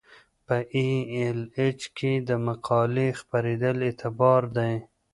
په ای ایل ایچ کې د مقالې خپریدل اعتبار دی.